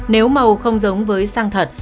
nếu màu không giống với xăng thật